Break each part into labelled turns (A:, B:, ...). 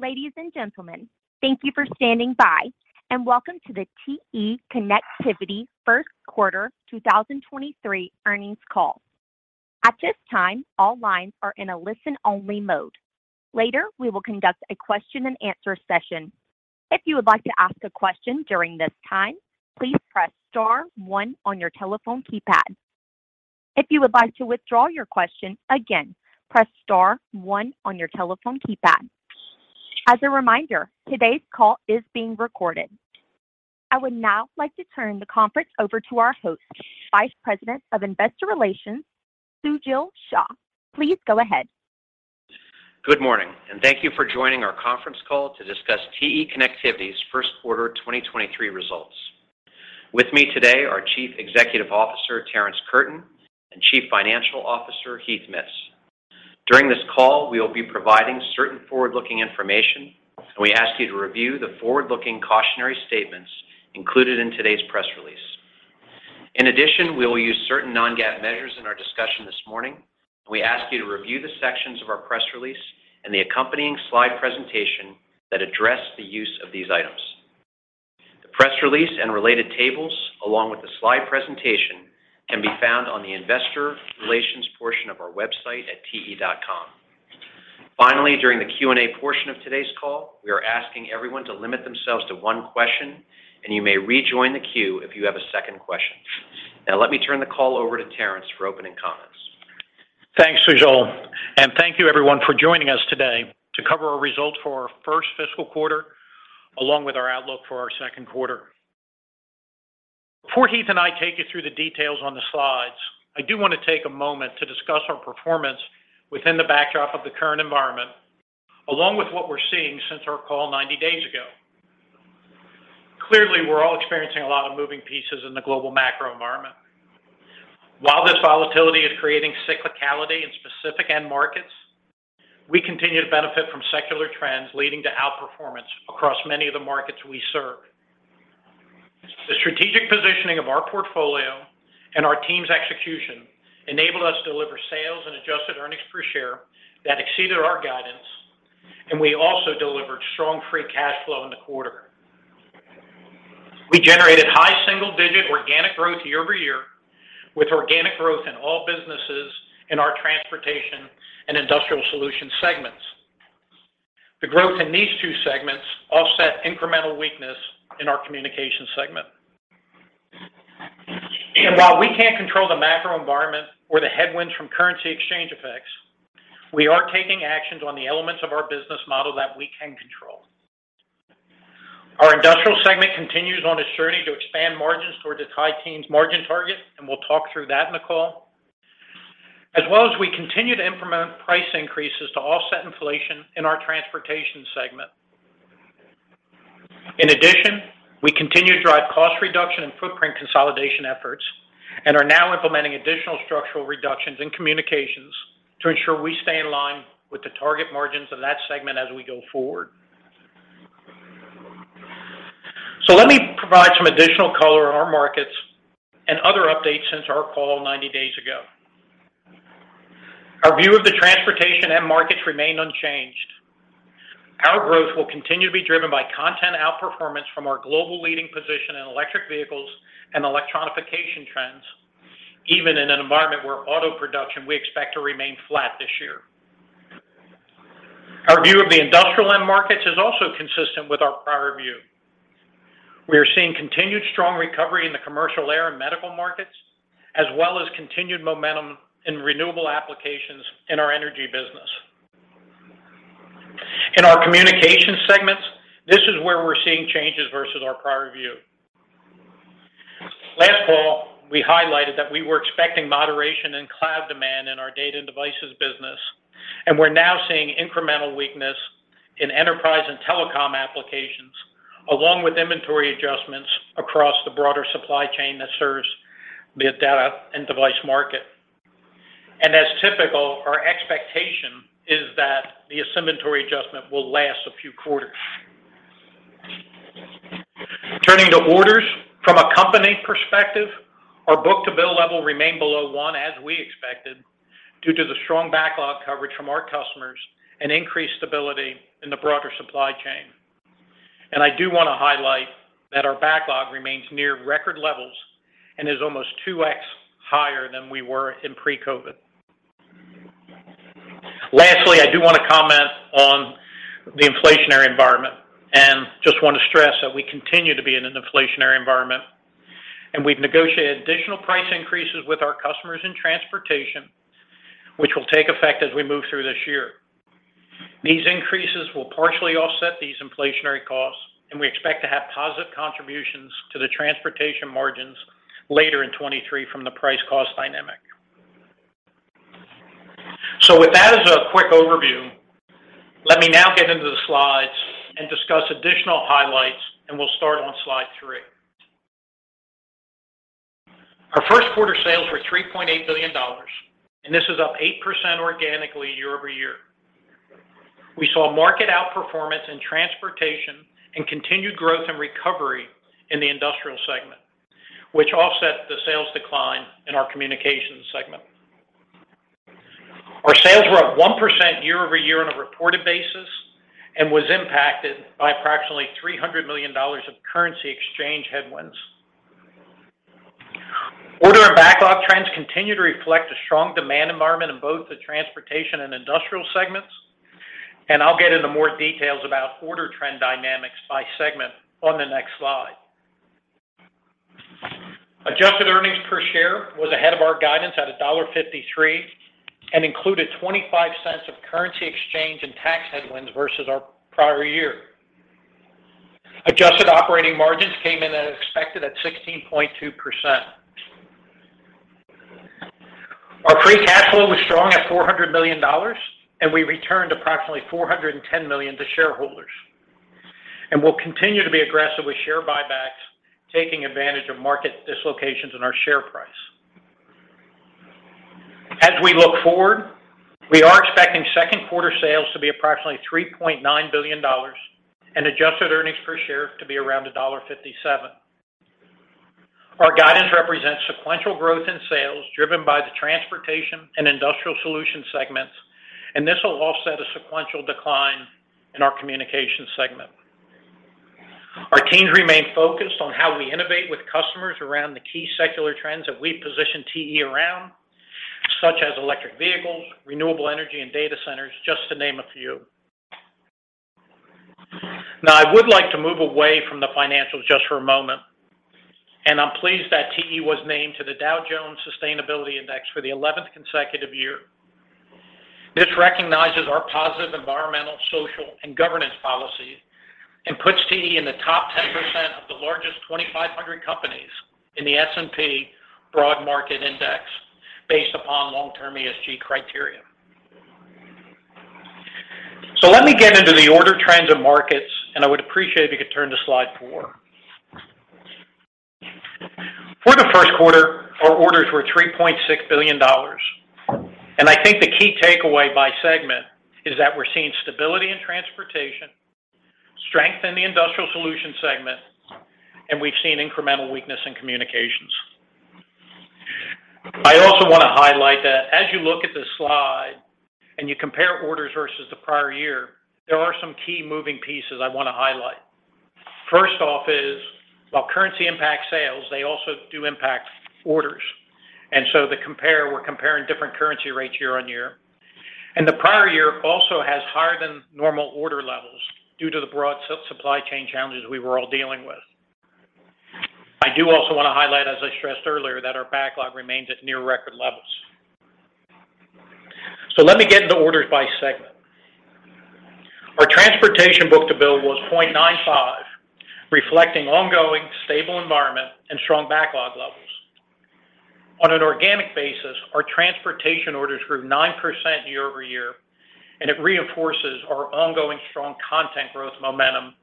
A: Ladies and gentlemen, thank you for standing by. Welcome to the TE Connectivity First Quarter 2023 Earnings Call. At this time, all lines are in a listen-only mode. Later, we will conduct a question and answer session. If you would like to ask a question during this time, please press star one on your telephone keypad. If you would like to withdraw your question, again, press star one on your telephone keypad. As a reminder, today's call is being recorded. I would now like to turn the conference over to our host, Vice President of Investor Relations, Sujal Shah. Please go ahead.
B: Good morning, thank you for joining our conference call to discuss TE Connectivity's first quarter 2023 results. With me today are Chief Executive Officer, Terrence Curtin, and Chief Financial Officer, Heath Mitts. During this call, we will be providing certain forward-looking information, and we ask you to review the forward-looking cautionary statements included in today's press release. We will use certain non-GAAP measures in our discussion this morning. We ask you to review the sections of our press release and the accompanying slide presentation that address the use of these items. The press release and related tables, along with the slide presentation, can be found on the investor relations portion of our website at te.com. During the Q&A portion of today's call, we are asking everyone to limit themselves to one question, and you may rejoin the queue if you have a second question. Now let me turn the call over to Terrence for opening comments.
C: Thanks, Sujal. Thank you everyone for joining us today to cover our results for our first fiscal quarter, along with our outlook for our second quarter. Before Heath and I take you through the details on the slides, I do wanna take a moment to discuss our performance within the backdrop of the current environment, along with what we're seeing since our call 90 days ago. Clearly, we're all experiencing a lot of moving pieces in the global macro environment. While this volatility is creating cyclicality in specific end markets, we continue to benefit from secular trends leading to outperformance across many of the markets we serve. The strategic positioning of our portfolio and our team's execution enabled us to deliver sales and adjusted earnings per share that exceeded our guidance, and we also delivered strong free cash flow in the quarter. We generated high single-digit organic growth year-over-year, with organic growth in all businesses in our Transportation and Industrial Solutions segments. The growth in these two segments offset incremental weakness in our Communications segment. While we can't control the macro environment or the headwinds from currency exchange effects, we are taking actions on the elements of our business model that we can control. Our Industrial segment continues on its journey to expand margins towards its high teens margin target, and we'll talk through that in the call. We continue to implement price increases to offset inflation in our Transportation segment. In addition, we continue to drive cost reduction and footprint consolidation efforts, and are now implementing additional structural reductions in Communications to ensure we stay in line with the target margins of that segment as we go forward. Let me provide some additional color on our markets and other updates since our call 90 days ago. Our view of the transportation end markets remain unchanged. Our growth will continue to be driven by content outperformance from our global leading position in electric vehicles and electronification trends, even in an environment where auto production, we expect to remain flat this year. Our view of the industrial end markets is also consistent with our prior view. We are seeing continued strong recovery in the commercial air and medical markets, as well as continued momentum in renewable applications in our energy business. In our communication segments, this is where we're seeing changes versus our prior view. Last fall, we highlighted that we were expecting moderation in cloud demand in our data and devices business, and we're now seeing incremental weakness in enterprise and telecom applications, along with inventory adjustments across the broader supply chain that serves the data and device market. As typical, our expectation is that this inventory adjustment will last a few quarters. Turning to orders. From a company perspective, our book-to-bill level remained below one, as we expected, due to the strong backlog coverage from our customers and increased stability in the broader supply chain. I do wanna highlight that our backlog remains near record levels and is almost 2x higher than we were in pre-COVID. Lastly, I do wanna comment on the inflationary environment, and just wanna stress that we continue to be in an inflationary environment, and we've negotiated additional price increases with our customers in transportation, which will take effect as we move through this year. These increases will partially offset these inflationary costs, and we expect to have positive contributions to the transportation margins later in 2023 from the price cost dynamic. With that as a quick overview, let me now get into the slides and discuss additional highlights, and we'll start on slide 3. Our first quarter sales were $3.8 billion, and this is up 8% organically year-over-year. We saw market outperformance in transportation and continued growth and recovery in the industrial segment, which offset the sales decline in our communications segment. Our sales were up 1% year-over-year on a reported basis and was impacted by approximately $300 million of currency exchange headwinds. Order and backlog trends continue to reflect a strong demand environment in both the transportation and industrial segments. I'll get into more details about order trend dynamics by segment on the next slide. Adjusted earnings per share was ahead of our guidance at $1.53 and included $0.25 of currency exchange and tax headwinds versus our prior year. Adjusted operating margins came in as expected at 16.2%. Our free cash flow was strong at $400 million, and we returned approximately $410 million to shareholders. We'll continue to be aggressive with share buybacks, taking advantage of market dislocations in our share price. As we look forward, we are expecting second quarter sales to be approximately $3.9 billion and adjusted earnings per share to be around $1.57. Our guidance represents sequential growth in sales driven by the transportation and industrial solution segments. This will offset a sequential decline in our communication segment. Our teams remain focused on how we innovate with customers around the key secular trends that we position TE around, such as electric vehicles, renewable energy, and data centers, just to name a few. I would like to move away from the financials just for a moment. I'm pleased that TE was named to the Dow Jones Sustainability Index for the 11th consecutive year. This recognizes our positive environmental, social, and governance policy and puts TE in the top 10% of the largest 2,500 companies in the S&P Broad Market Index based upon long-term ESG criteria. Let me get into the order trends of markets, and I would appreciate if you could turn to slide four. For the first quarter, our orders were $3.6 billion. I think the key takeaway by segment is that we're seeing stability in transportation, strength in the Industrial Solutions segment, and we've seen incremental weakness in communications. I also want to highlight that as you look at the slide and you compare orders versus the prior year, there are some key moving pieces I want to highlight. First off is while currency impacts sales, they also do impact orders. We're comparing different currency rates year-over-year. The prior year also has higher than normal order levels due to the broad supply chain challenges we were all dealing with. I do also want to highlight, as I stressed earlier, that our backlog remains at near record levels. Let me get into orders by segment. Our transportation book-to-bill was 0.95, reflecting ongoing stable environment and strong backlog levels. On an organic basis, our transportation orders grew 9% year-over-year, and it reinforces our ongoing strong content growth momentum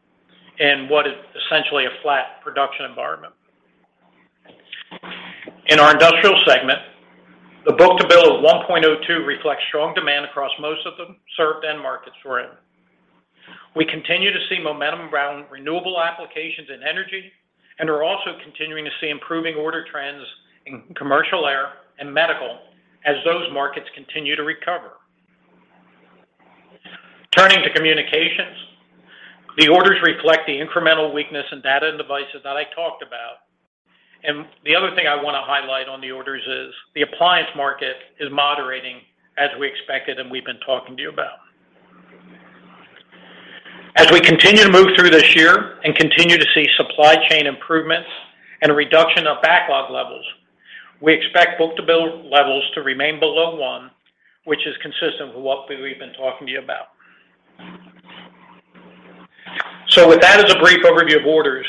C: in what is essentially a flat production environment. In our industrial segment, the book-to-bill of 1.02 reflects strong demand across most of the served end markets we're in. We continue to see momentum around renewable applications in energy, and we're also continuing to see improving order trends in commercial air and medical as those markets continue to recover. Turning to communications, the orders reflect the incremental weakness in data and devices that I talked about. The other thing I want to highlight on the orders is the appliance market is moderating as we expected and we've been talking to you about. As we continue to move through this year and continue to see supply chain improvements and a reduction of backlog levels, we expect book-to-bill levels to remain below one, which is consistent with what we've been talking to you about. With that as a brief overview of orders,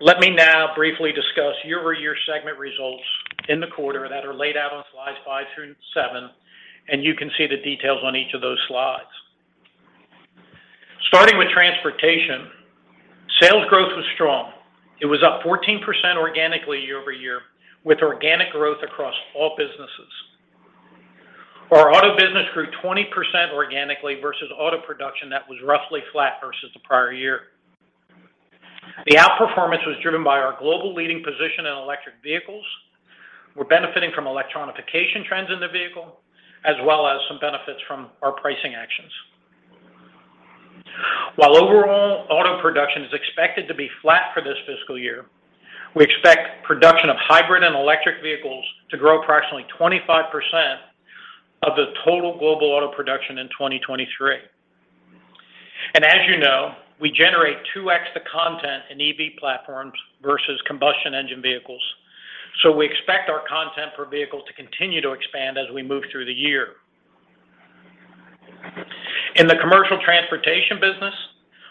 C: let me now briefly discuss year-over-year segment results in the quarter that are laid out on slides five through seven, and you can see the details on each of those slides. Starting with transportation, sales growth was strong. It was up 14% organically year-over-year with organic growth across all businesses. Our auto business grew 20% organically versus auto production that was roughly flat versus the prior year. The outperformance was driven by our global leading position in electric vehicles. We're benefiting from electronification trends in the vehicle, as well as some benefits from our pricing actions. While overall auto production is expected to be flat for this fiscal year, we expect production of hybrid and electric vehicles to grow approximately 25% of the total global auto production in 2023. As you know, we generate 2x the content in EV platforms versus combustion engine vehicles. We expect our content per vehicle to continue to expand as we move through the year. In the commercial transportation business,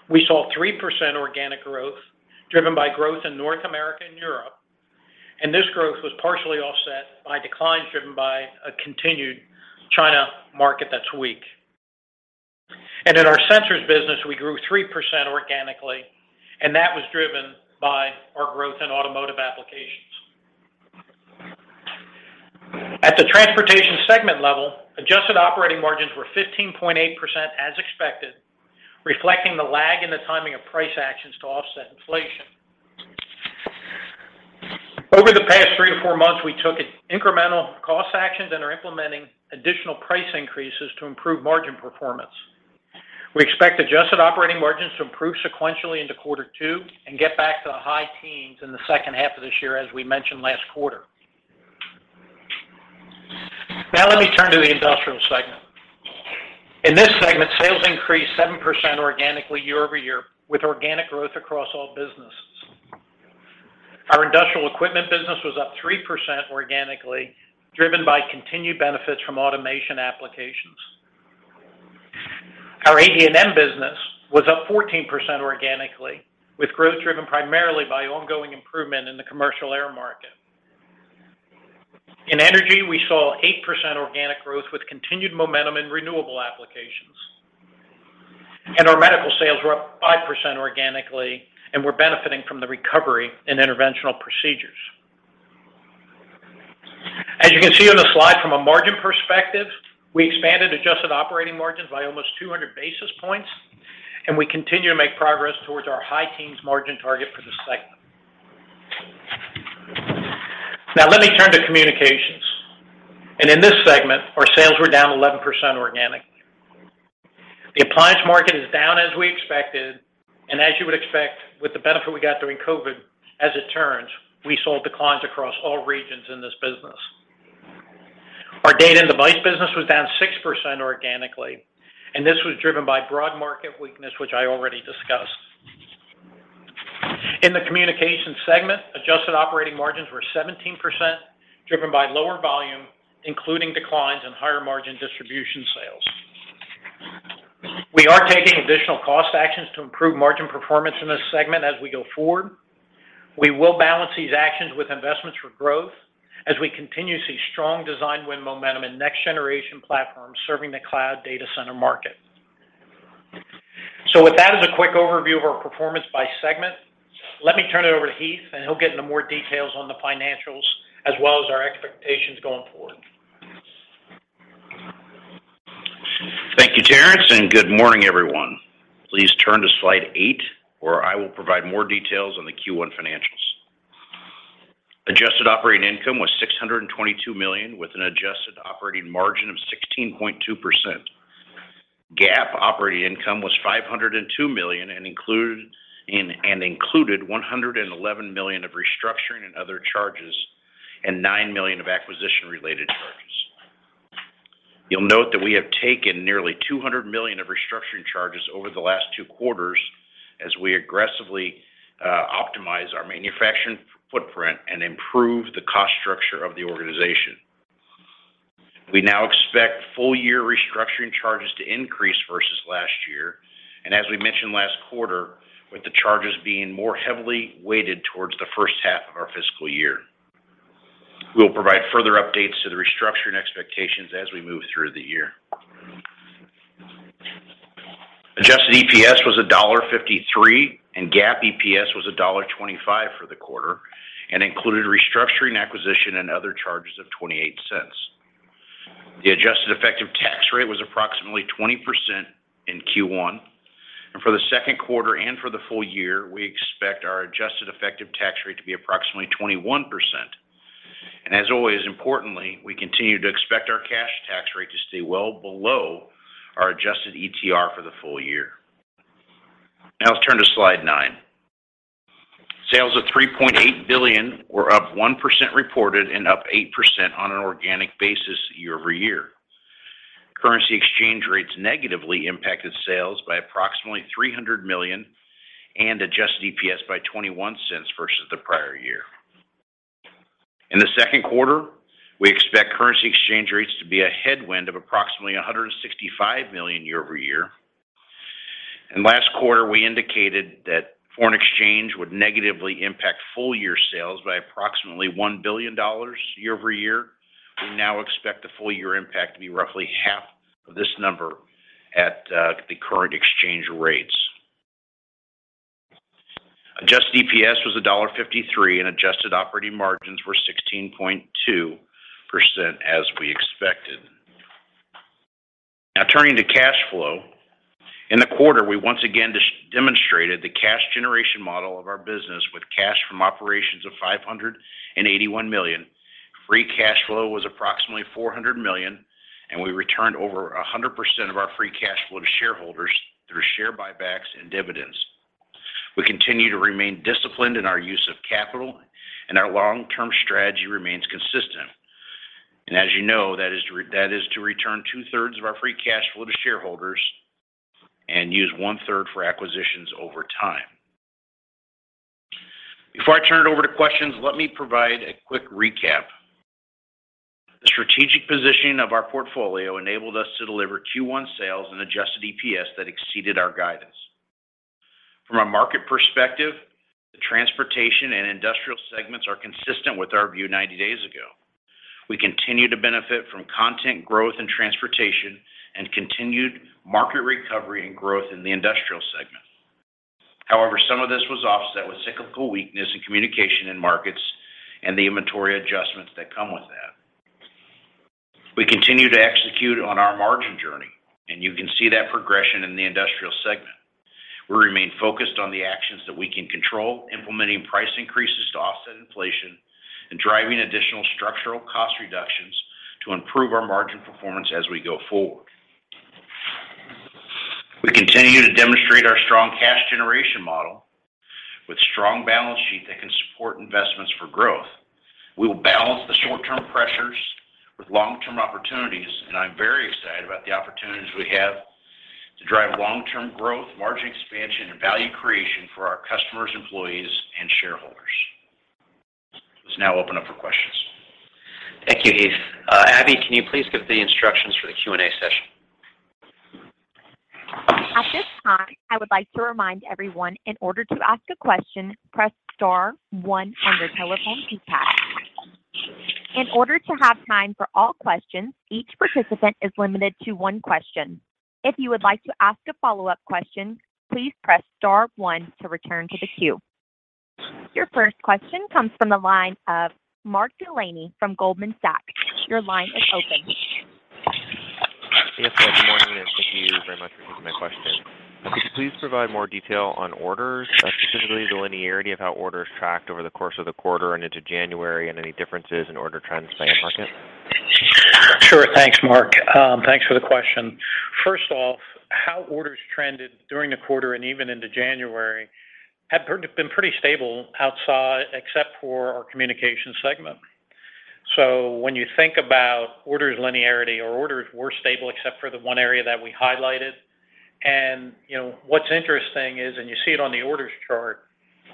C: we saw 3% organic growth driven by growth in North America and Europe. This growth was partially offset by declines driven by a continued China market that's weak. In our sensors business, we grew 3% organically, and that was driven by our growth in automotive applications. At the Transportation Segment level, adjusted operating margins were 15.8% as expected, reflecting the lag in the timing of price actions to offset inflation. Over the past three-four months, we took incremental cost actions and are implementing additional price increases to improve margin performance. We expect adjusted operating margins to improve sequentially into quarter two and get back to the high teens in the second half of this year, as we mentioned last quarter. Let me turn to the Industrial Segment. In this segment, sales increased 7% organically year-over-year with organic growth across all businesses. Our industrial equipment business was up 3% organically, driven by continued benefits from automation applications. Our AD&M business was up 14% organically, with growth driven primarily by ongoing improvement in the commercial air market. In energy, we saw 8% organic growth with continued momentum in renewable applications. Our medical sales were up 5% organically, and we're benefiting from the recovery in interventional procedures. As you can see on the slide from a margin perspective, we expanded adjusted operating margins by almost 200 basis points, and we continue to make progress towards our high teens margin target for this segment. Now let me turn to communications. In this segment, our sales were down 11% organically. The appliance market is down as we expected, and as you would expect with the benefit we got during COVID, as it turns, we saw declines across all regions in this business. Our data and device business was down 6% organically, and this was driven by broad market weakness, which I already discussed. In the communication segment, adjusted operating margins were 17%, driven by lower volume, including declines in higher margin distribution sales. We are taking additional cost actions to improve margin performance in this segment as we go forward. We will balance these actions with investments for growth as we continue to see strong design win momentum in next generation platforms serving the cloud data center market. With that as a quick overview of our performance by segment, let me turn it over to Heath, and he'll get into more details on the financials as well as our expectations going forward.
D: Thank you, Terrence. Good morning, everyone. Please turn to slide 8, where I will provide more details on the Q1 financials. Adjusted operating income was $622 million, with an adjusted operating margin of 16.2%. GAAP operating income was $502 million, and included $111 million of restructuring and other charges, and $9 million of acquisition-related charges. You'll note that we have taken nearly $200 million of restructuring charges over the last two quarters as we aggressively optimize our manufacturing footprint and improve the cost structure of the organization. We now expect full year restructuring charges to increase versus last year. As we mentioned last quarter, with the charges being more heavily weighted towards the first half of our fiscal year. We'll provide further updates to the restructuring expectations as we move through the year. Adjusted EPS was $1.53. GAAP EPS was $1.25 for the quarter, included restructuring, acquisition, and other charges of $0.28. The adjusted effective tax rate was approximately 20% in Q1. For the second quarter and for the full year, we expect our adjusted effective tax rate to be approximately 21%. As always, importantly, we continue to expect our cash tax rate to stay well below our adjusted ETR for the full year. Let's turn to slide nine. Sales of $3.8 billion were up 1% reported and up 8% on an organic basis year-over-year. Currency exchange rates negatively impacted sales by approximately $300 million and adjusted EPS by $0.21 versus the prior year. In the second quarter, we expect currency exchange rates to be a headwind of approximately $165 million year-over-year. Last quarter, we indicated that foreign exchange would negatively impact full year sales by approximately $1 billion year-over-year. We now expect the full year impact to be roughly half of this number at the current exchange rates. Adjusted EPS was $1.53, and adjusted operating margins were 16.2%, as we expected. Now turning to cash flow. In the quarter, we once again demonstrated the cash generation model of our business with cash from operations of $581 million. Free cash flow was approximately $400 million, and we returned over 100% of our free cash flow to shareholders through share buybacks and dividends. We continue to remain disciplined in our use of capital, and our long-term strategy remains consistent. As you know, that is to return two-thirds of our free cash flow to shareholders and use one-third for acquisitions over time. Before I turn it over to questions, let me provide a quick recap. The strategic positioning of our portfolio enabled us to deliver Q1 sales and adjusted EPS that exceeded our guidance. From a market perspective, the transportation and industrial segments are consistent with our view 90 days ago. We continue to benefit from content growth and transportation and continued market recovery and growth in the industrial segment. However, some of this was offset with cyclical weakness in communication in markets and the inventory adjustments that come with that.
C: We continue to execute on our margin journey, and you can see that progression in the industrial segment. We remain focused on the actions that we can control, implementing price increases to offset inflation and driving additional structural cost reductions to improve our margin performance as we go forward. We continue to demonstrate our strong cash generation model with strong balance sheet that can support investments for growth. We will balance the short-term pressures with long-term opportunities, and I'm very excited about the opportunities we have to drive long-term growth, margin expansion, and value creation for our customers, employees, and shareholders. Let's now open up for questions.
B: Thank you, Heath. Abby, can you please give the instructions for the Q&A session?
A: At this time, I would like to remind everyone in order to ask a question, press star one on your telephone keypad. In order to have time for all questions, each participant is limited to one question. If you would like to ask a follow-up question, please press star one to return to the queue. Your first question comes from the line of Mark Delaney from Goldman Sachs. Your line is open.
E: Yes. Good morning, and thank you very much for taking my question. Could you please provide more detail on orders, specifically the linearity of how orders tracked over the course of the quarter and into January and any differences in order trends by market?
C: Sure. Thanks, Mark Delaney. Thanks for the question. First off, how orders trended during the quarter and even into January had been pretty stable outside except for our communication segment. When you think about orders linearity or orders were stable except for the one area that we highlighted. You know, what's interesting is, and you see it on the orders chart,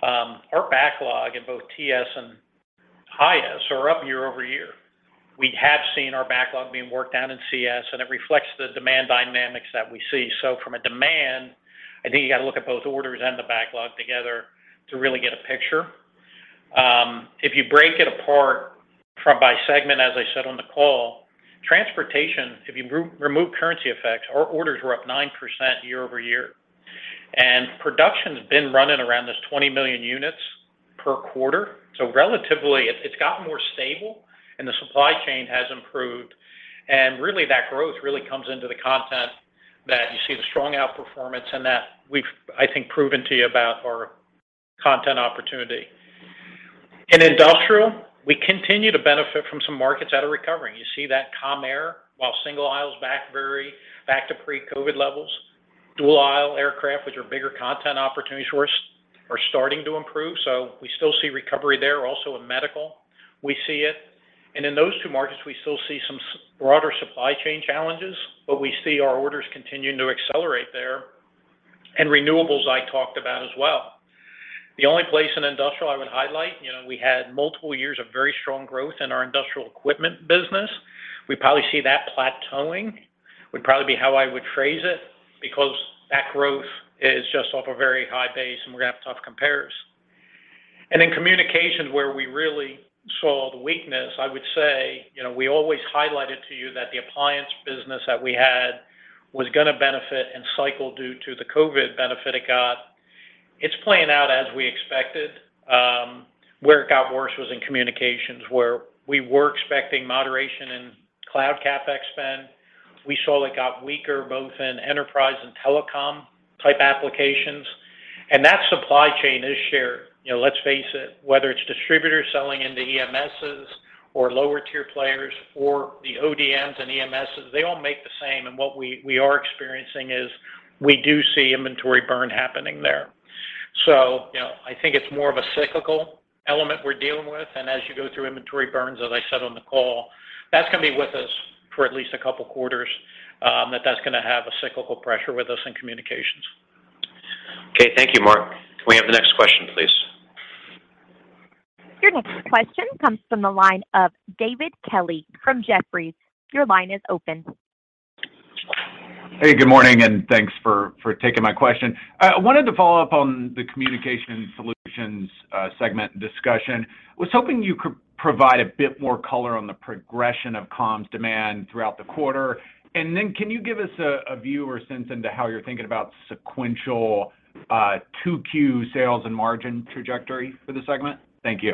C: our backlog in both TS and IS are up year-over-year. We have seen our backlog being worked down in CS, and it reflects the demand dynamics that we see. From a demand, I think you got to look at both orders and the backlog together to really get a picture. If you break it apart from by segment, as I said on the call, transportation, if you re-remove currency effects, our orders were up 9% year-over-year. Production has been running around this 20 million units per quarter. Relatively, it's gotten more stable and the supply chain has improved. Really that growth really comes into the content that you see the strong outperformance and that we've, I think, proven to you about our content opportunity. In industrial, we continue to benefit from some markets that are recovering. You see that com air while single aisle is back very back to pre-COVID levels. Dual aisle aircraft, which are bigger content opportunity for us, are starting to improve. We still see recovery there. Also in medical, we see it. In those two markets, we still see some broader supply chain challenges, but we see our orders continuing to accelerate there. Renewables I talked about as well. The only place in industrial I would highlight, you know, we had multiple years of very strong growth in our industrial equipment business. We probably see that plateauing, would probably be how I would phrase it, because that growth is just off a very high base, and we're going to have tough compares. In communications where we really saw the weakness, I would say, you know, we always highlighted to you that the appliance business that we had was going to benefit in cycle due to the COVID benefit it got. It's playing out as we expected. Where it got worse was in communications, where we were expecting moderation in cloud CapEx spend. We saw it got weaker both in enterprise and telecom type applications. That supply chain is shared. You know, let's face it, whether it's distributors selling into EMSs or lower tier players or the ODMs and EMSs, they all make the same. What we are experiencing is we do see inventory burn happening there. You know, I think it's more of a cyclical element we're dealing with. As you go through inventory burns, as I said on the call, that's going to be with us for at least a couple of quarters, that's going to have a cyclical pressure with us in communications.
B: Okay. Thank you, Mark. Can we have the next question, please?
A: Your next question comes from the line of David Kelley from Jefferies. Your line is open.
F: Hey, good morning, and thanks for taking my question. I wanted to follow up on the communication solutions segment discussion. I was hoping you could provide a bit more color on the progression of comms demand throughout the quarter. Can you give us a view or sense into how you're thinking about sequential 2Q sales and margin trajectory for the segment? Thank you.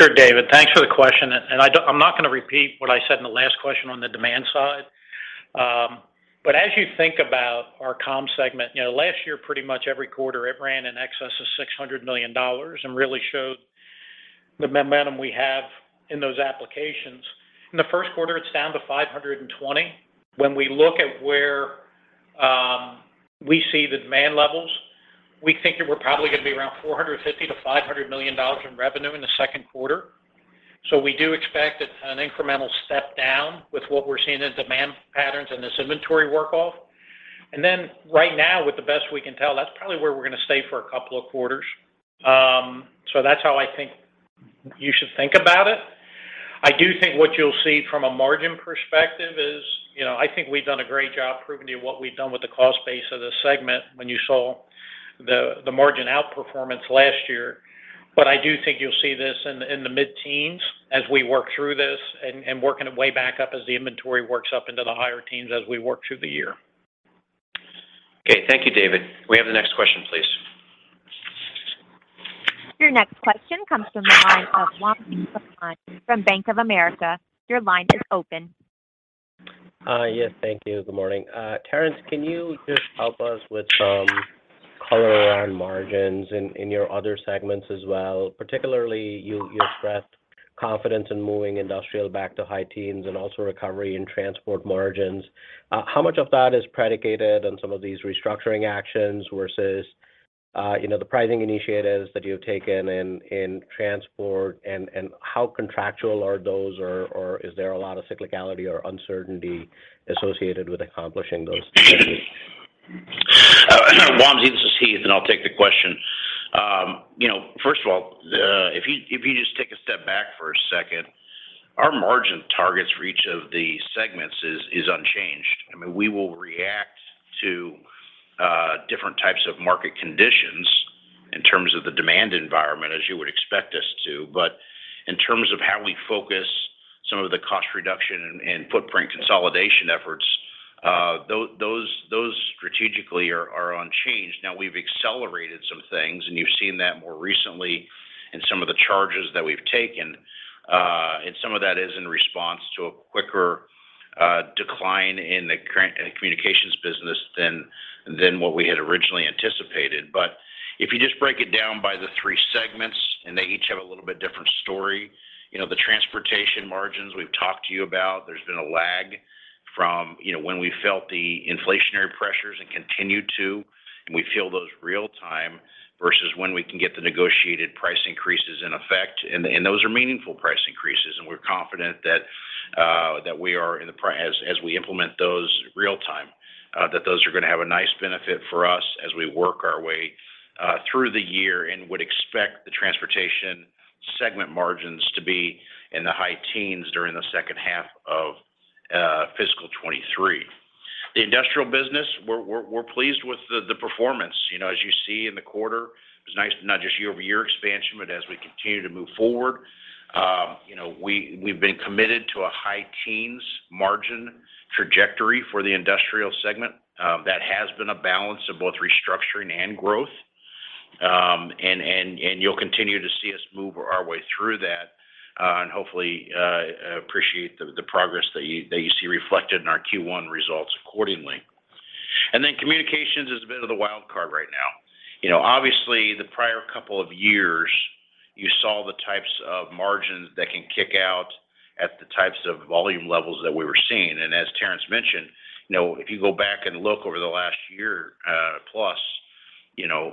C: Sure. David, thanks for the question. I'm not going to repeat what I said in the last question on the demand side. But as you think about our comm segment, you know, last year, pretty much every quarter it ran in excess of $600 million and really showed the momentum we have in those applications. In the first quarter, it's down to $520. When we look at where we see the demand levels, we think that we're probably going to be around $450 million-$500 million in revenue in the second quarter. We do expect an incremental step down with what we're seeing in demand patterns and this inventory work off. Right now, with the best we can tell, that's probably where we're going to stay for a couple of quarters. That's how I think you should think about it. I do think what you'll see from a margin perspective is, you know, I think we've done a great job proving to you what we've done with the cost base of this segment when you saw the margin outperformance last year. I do think you'll see this in the mid-teens as we work through this and working it way back up as the inventory works up into the higher teens as we work through the year.
B: Okay. Thank you, David. Can we have the next question, please?
A: Your next question comes from the line of Wamsi Mohan from Bank of America. Your line is open.
G: Yes, thank you. Good morning. Terrence, can you just help us with some color around margins in your other segments as well? Particularly, you expressed confidence in moving Industrial back to high teens and also recovery in Transport margins. How much of that is predicated on some of these restructuring actions versus, you know, the pricing initiatives that you've taken in Transport, and how contractual are those or is there a lot of cyclicality or uncertainty associated with accomplishing those strategies?
D: Wamsi, this is Heath, and I'll take the question. you know, first of all, if you, if you just take a step back for a second, our margin targets for each of the segments is unchanged. I mean, we will react to different types of market conditions in terms of the demand environment as you would expect us to. In terms of how we focus some of the cost reduction and footprint consolidation efforts, those strategically are unchanged. Now, we've accelerated some things, and you've seen that more recently in some of the charges that we've taken. Some of that is in response to a quicker decline in the communications business than what we had originally anticipated. If you just break it down by the three segments, and they each have a little bit different story. You know, the Transportation margins we've talked to you about. There's been a lag from, you know, when we felt the inflationary pressures and continue to, and we feel those real-time versus when we can get the negotiated price increases in effect. And those are meaningful price increases, and we're confident that we are in the pro-- as we implement those real time, that those are gonna have a nice benefit for us as we work our way through the year and would expect the Transportation segment margins to be in the high teens during the second half of FY23. The Industrial business, we're pleased with the performance. You know, as you see in the quarter, it was nice, not just year-over-year expansion, but as we continue to move forward. You know, we've been committed to a high teens margin trajectory for the industrial segment, that has been a balance of both restructuring and growth. And you'll continue to see us move our way through that, and hopefully, appreciate the progress that you see reflected in our Q1 results accordingly. Then communications is a bit of the wild card right now. You know, obviously, the prior couple of years, you saw the types of margins that can kick out at the types of volume levels that we were seeing. As Terrence mentioned, you know, if you go back and look over the last year, plus, you know,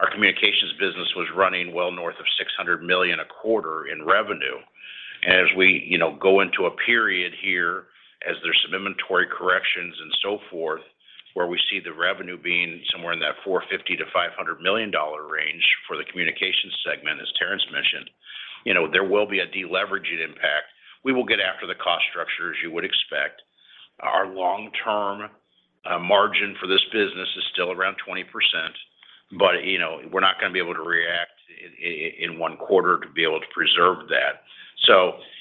D: our communications business was running well north of $600 million a quarter in revenue. As we, you know, go into a period here as there's some inventory corrections and so forth, where we see the revenue being somewhere in that $450 million-$500 million range for the communications segment, as Terrence mentioned. You know, there will be a deleveraging impact. We will get after the cost structure as you would expect. Our long-term margin for this business is still around 20%, but you know, we're not gonna be able to react in 1 quarter to be able to preserve that.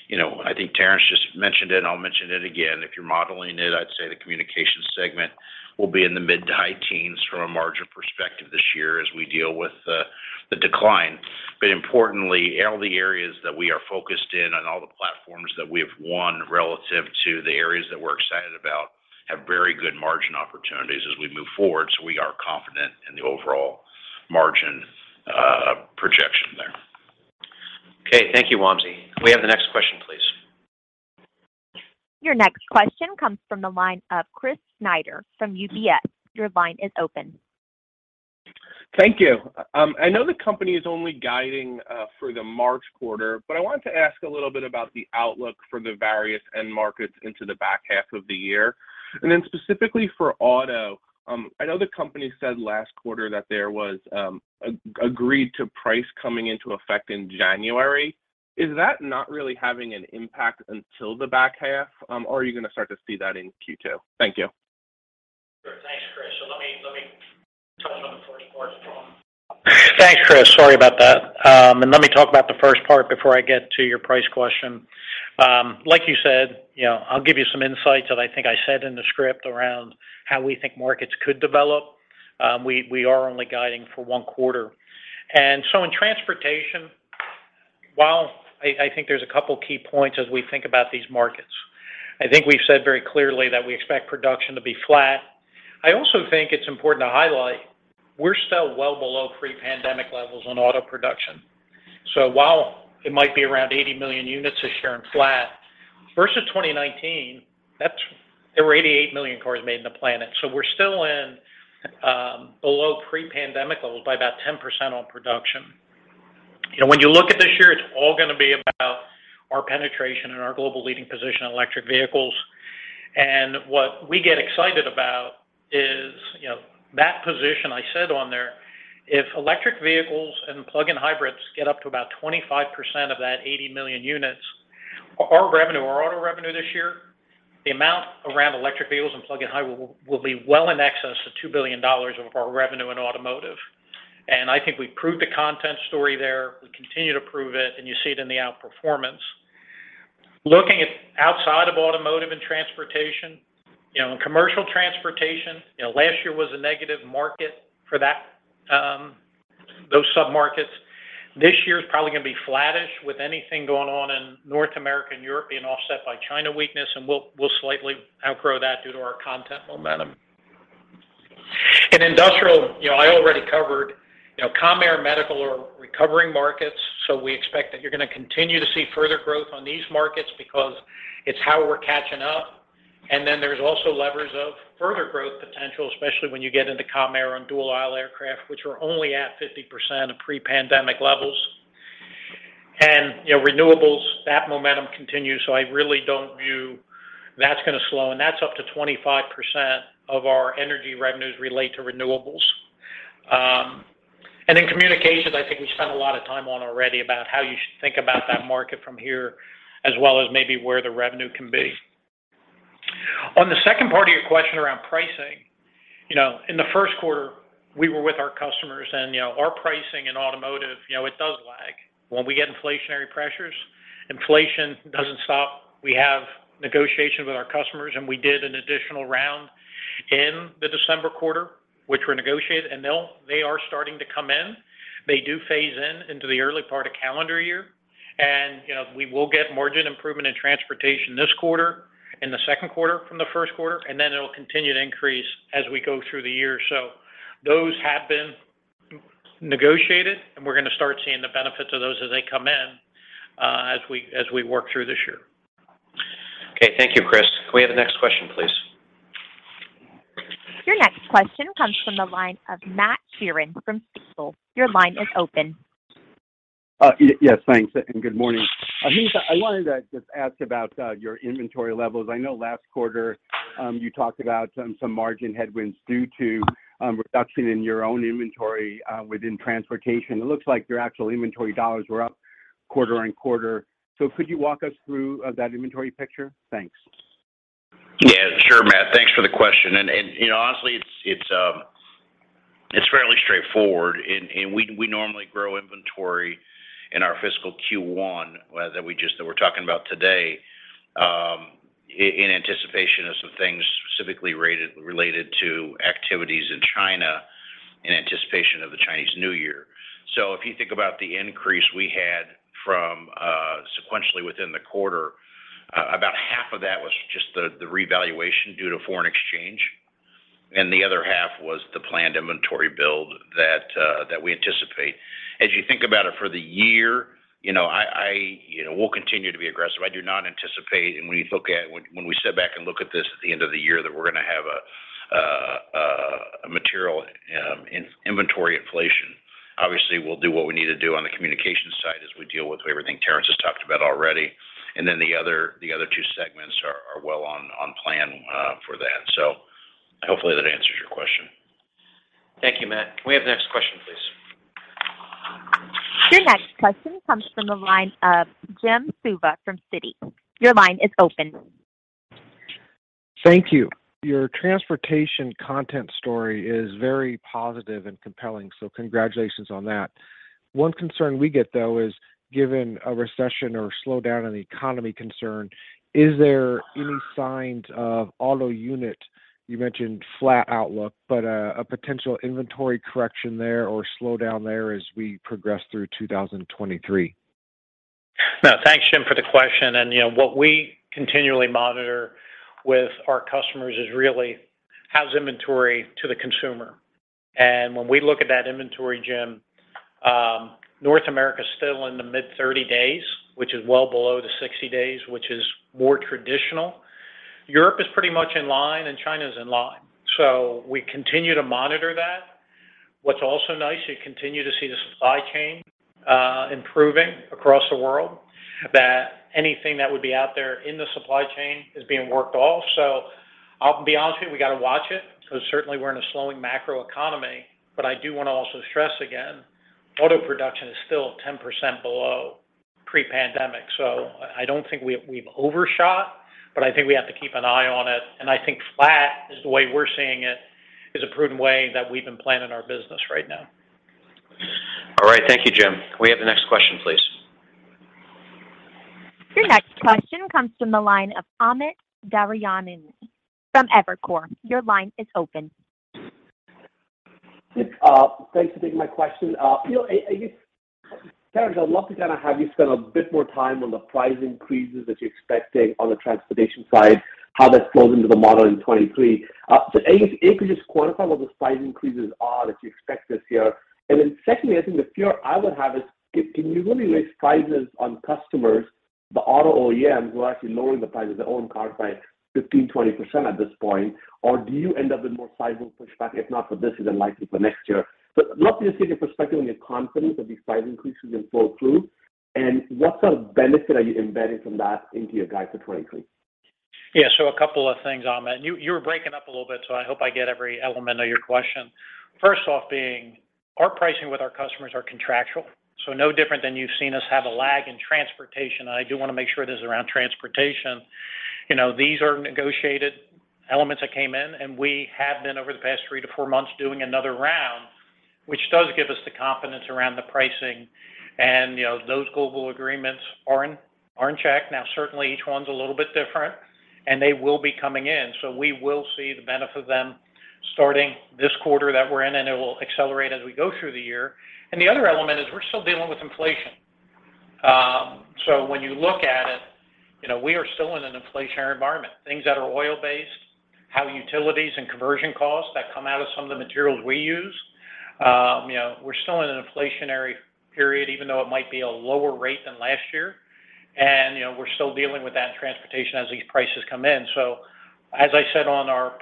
D: You know, I think Terrence just mentioned it, I'll mention it again. If you're modeling it, I'd say the communication segment will be in the mid to high teens from a margin perspective this year as we deal with the decline. Importantly, all the areas that we are focused in on all the platforms that we have won relative to the areas that we're excited about have very good margin opportunities as we move forward. We are confident in the overall margin projection there.
B: Okay. Thank you, Wamsi. May we have the next question, please?
A: Your next question comes from the line of Christopher Snyder from UBS. Your line is open.
H: Thank you. I know the company is only guiding for the March quarter, but I wanted to ask a little bit about the outlook for the various end markets into the back half of the year. Specifically for auto, I know the company said last quarter that there was agreed to price coming into effect in January. Is that not really having an impact until the back half? Are you gonna start to see that in Q2? Thank you.
C: Sure. Thanks, Chris. Let me touch on the first part. Thanks, Chris. Sorry about that. Let me talk about the first part before I get to your price question. Like you said, you know, I'll give you some insights that I think I said in the script around how we think markets could develop. We are only guiding for one quarter. In transportation, while I think there's a couple key points as we think about these markets. I think we've said very clearly that we expect production to be flat. I also think it's important to highlight we're still well below pre-pandemic levels on auto production. While it might be around 80 million units this year and flat, versus 2019, there were 88 million cars made in the planet. We're still in below pre-pandemic levels by about 10% on production. You know, when you look at this year, it's all gonna be about our penetration and our global leading position in electric vehicles. What we get excited about is, you know, that position I said on there, if electric vehicles and plug-in hybrids get up to about 25% of that 80 million units, our revenue, our auto revenue this year, the amount around electric vehicles and plug-in hybrid will be well in excess of $2 billion of our revenue in automotive. I think we proved the content story there. We continue to prove it, and you see it in the outperformance. Looking at outside of automotive and transportation, you know, and commercial transportation, you know, last year was a negative market for that, those sub-markets. This year is probably gonna be flattish with anything going on in North America and Europe being offset by China weakness, we'll slightly outgrow that due to our content momentum. In industrial, you know, I already covered, you know, Com Air Medical are recovering markets, we expect that you're gonna continue to see further growth on these markets because it's how we're catching up. There's also levers of further growth potential, especially when you get into Com Air on dual aisle aircraft, which are only at 50% of pre-pandemic levels. You know, renewables, that momentum continues, I really don't view that's gonna slow. That's up to 25% of our energy revenues relate to renewables. Communications, I think we spent a lot of time on already about how you should think about that market from here, as well as maybe where the revenue can be. On the second part of your question around pricing, you know, in the first quarter, we were with our customers and, you know, our pricing in automotive, you know, it does lag. When we get inflationary pressures, inflation doesn't stop. We have negotiations with our customers, and we did an additional round in the December quarter, which were negotiated, and they are starting to come in. They do phase in into the early part of calendar year. You know, we will get margin improvement in transportation this quarter, in the second quarter from the first quarter, and then it'll continue to increase as we go through the year. Those have been negotiated, and we're gonna start seeing the benefits of those as they come in, as we work through this year.
B: Okay. Thank you, Chris. Can we have the next question, please?
A: Your next question comes from the line of Matthew Sheerin from Stifel. Your line is open.
I: Yes, thanks and good morning. I wanted to just ask about your inventory levels. I know last quarter, you talked about some margin headwinds due to reduction in your own inventory within transportation. It looks like your actual inventory dollars were up quarter-on-quarter. Could you walk us through that inventory picture? Thanks.
D: Yeah, sure, Matt. Thanks for the question. You know, honestly, it's fairly straightforward in, we normally grow inventory in our fiscal Q1 that we're talking about today, in anticipation of some things specifically related to activities in China in anticipation of the Chinese New Year. If you think about the increase we had from sequentially within the quarter, about half of that was just the revaluation due to foreign exchange, and the other half was the planned inventory build that we anticipate. As you think about it for the year, you know, I, you know, we'll continue to be aggressive. I do not anticipate, when we sit back and look at this at the end of the year, that we're gonna have a material in-inventory inflation. Obviously, we'll do what we need to do on the communications side as we deal with everything Terrence has talked about already. The other two segments are well on plan for that. Hopefully that answers your question.
B: Thank you, Matt. Can we have the next question, please?
A: Your next question comes from the line of James Suva from Citi. Your line is open.
J: Thank you. Your transportation content story is very positive and compelling. Congratulations on that. One concern we get, though, is given a recession or slowdown in the economy concern, is there any signs of auto unit? You mentioned flat outlook, a potential inventory correction there or slowdown there as we progress through 2023.
C: No. Thanks, Jim, for the question. you know, what we continually monitor with our customers is really how's inventory to the consumer. When we look at that inventory, Jim, North America is still in the mid-30 days, which is well below the 60 days, which is more traditional. Europe is pretty much in line, and China is in line. We continue to monitor that. What's also nice, you continue to see the supply chain improving across the world, that anything that would be out there in the supply chain is being worked off. I'll be honest with you, we gotta watch it, 'cause certainly we're in a slowing macro economy. I do wanna also stress again, auto production is still 10% below pre-pandemic. I don't think we've overshot, but I think we have to keep an eye on it. I think flat is the way we're seeing it, is a prudent way that we've been planning our business right now.
B: All right. Thank you, Jim. Can we have the next question, please?
A: Your next question comes from the line of Amit Daryanani from Evercore. Your line is open.
K: Thanks for taking my question. You know, I guess, Terrence, I'd love to kinda have you spend a bit more time on the price increases that you're expecting on the transportation side, how that flows into the model in 23. I guess if you could just quantify what the price increases are that you expect this year. Secondly, I think the fear I would have is can you really raise prices on customers, the auto OEMs who are actually lowering the price of their own cars by 15%, 20% at this point? Do you end up with more sizable pushback, if not for this, then likely for next year? I'd love to just get your perspective on your confidence that these price increases can flow through, and what sort of benefit are you embedding from that into your guide for 2023?
C: Yeah. A couple of things, Amit. You were breaking up a little bit, so I hope I get every element of your question. First off being our pricing with our customers are contractual, so no different than you've seen us have a lag in transportation. I do wanna make sure this is around transportation. You know, these are negotiated elements that came in, and we have been over the past three to four months doing another round. Which does give us the confidence around the pricing and, you know, those global agreements are in, are in check. Certainly, each one's a little bit different, and they will be coming in. We will see the benefit of them starting this quarter that we're in, and it will accelerate as we go through the year. The other element is we're still dealing with inflation. When you look at it, you know, we are still in an inflationary environment. Things that are oil-based, how utilities and conversion costs that come out of some of the materials we use, you know, we're still in an inflationary period, even though it might be a lower rate than last year. You know, we're still dealing with that in transportation as these prices come in. As I said on our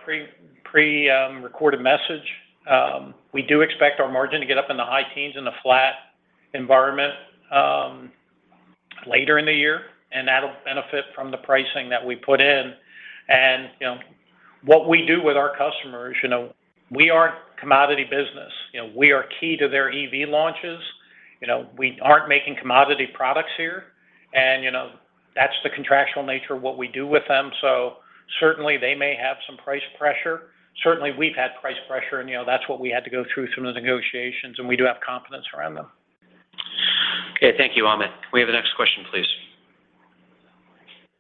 C: recorded message, we do expect our margin to get up in the high teens in a flat environment, later in the year, and that'll benefit from the pricing that we put in. You know, what we do with our customers, you know, we aren't commodity business. You know, we are key to their EV launches. You know, we aren't making commodity products here. You know, that's the contractual nature of what we do with them. Certainly, they may have some price pressure. Certainly, we've had price pressure and, you know, that's what we had to go through some of the negotiations, and we do have confidence around them.
B: Okay. Thank you, Amit. Can we have the next question, please?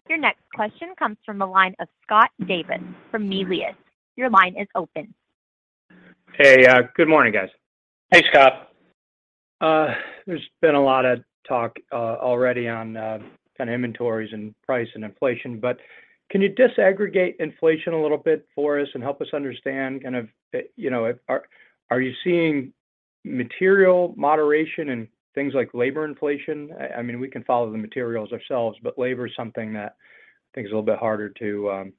A: Your next question comes from the line of Scott Davis from Melius. Your line is open.
L: Hey. good morning, guys.
C: Hey, Scott.
L: There's been a lot of talk already on kind of inventories and price and inflation. Can you disaggregate inflation a little bit for us and help us understand kind of, you know, are you seeing material moderation in things like labor inflation? I mean, we can follow the materials ourselves, but labor is something that I think is a little bit harder to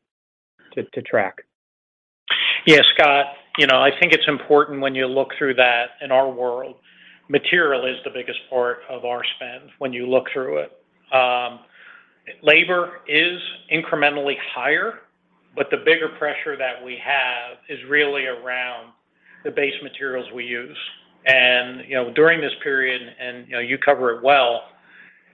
L: track.
C: Yeah, Scott, you know, I think it's important when you look through that in our world, material is the biggest part of our spend when you look through it. Labor is incrementally higher, but the bigger pressure that we have is really around the base materials we use. You know, during this period, and, you know, you cover it well,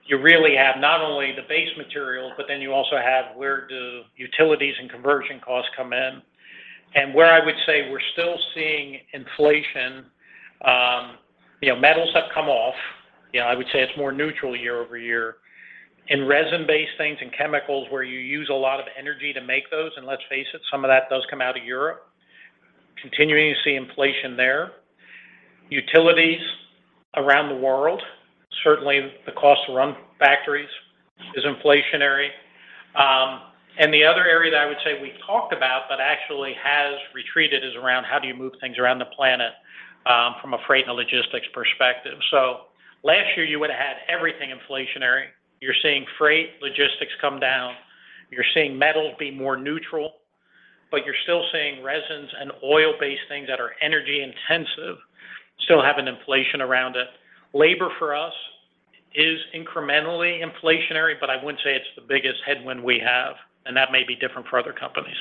C: you really have not only the base material, but then you also have where do utilities and conversion costs come in. Where I would say we're still seeing inflation, you know, metals have come off. You know, I would say it's more neutral year-over-year. In resin-based things and chemicals where you use a lot of energy to make those, and let's face it, some of that does come out of Europe, continuing to see inflation there. Utilities around the world. Certainly, the cost to run factories is inflationary. The other area that I would say we talked about but actually has retreated is around how do you move things around the planet from a freight and logistics perspective. Last year, you would've had everything inflationary. You're seeing freight, logistics come down. You're seeing metals be more neutral. You're still seeing resins and oil-based things that are energy-intensive still have an inflation around it. Labor for us is incrementally inflationary, but I wouldn't say it's the biggest headwind we have, and that may be different for other companies.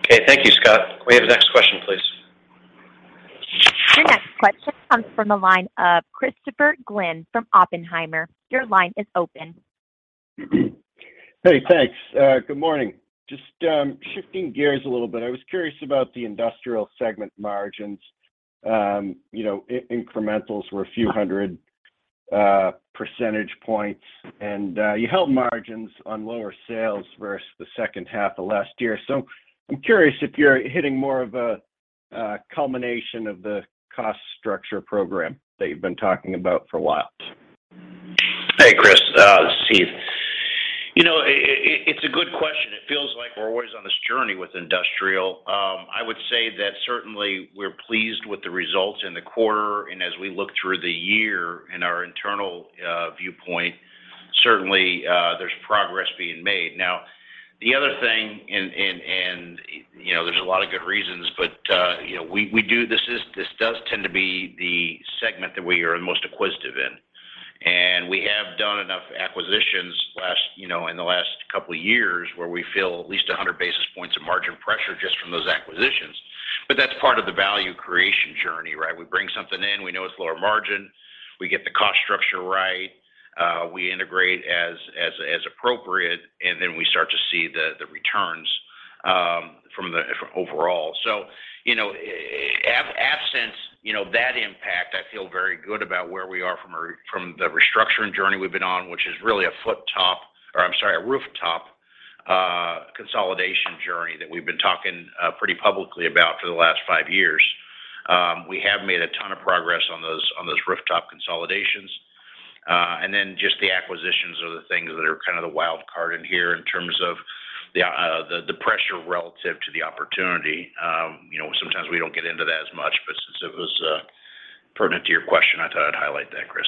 B: Okay. Thank you, Scott. Can we have the next question, please?
A: Your next question comes from the line of Christopher Glynn from Oppenheimer. Your line is open.
M: Hey, thanks. Good morning. Just shifting gears a little bit, I was curious about the industrial segment margins. You know, in-incrementals were a few hundred percentage points. You held margins on lower sales versus the second half of last year. I'm curious if you're hitting more of a culmination of the cost structure program that you've been talking about for a while.
N: Hey, Chris, it's Steve. You know, it's a good question. It feels like we're always on this journey with industrial. I would say that certainly we're pleased with the results in the quarter, and as we look through the year in our internal viewpoint, certainly, there's progress being made. The other thing and, you know, there's a lot of good reasons, but, you know, we do this does tend to be the segment that we are the most acquisitive in. We have done enough acquisitions last, you know, in the last couple of years where we feel at least 100 basis points of margin pressure just from those acquisitions. That's part of the value creation journey, right? We bring something in. We know it's lower margin. We get the cost structure right. We integrate as appropriate. Then we start to see the returns from overall. You know, absence, you know, that impact, I feel very good about where we are from the restructuring journey we've been on, which is really a foot top... or I'm sorry, a rooftop, consolidation journey that we've been talking pretty publicly about for the last five years. We have made a ton of progress on those rooftop consolidations. Just the acquisitions are the things that are kind of the wild card in here in terms of the pressure relative to the opportunity. You know, sometimes we don't get into that as much, but since it was pertinent to your question, I thought I'd highlight that, Chris.